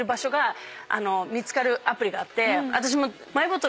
私も。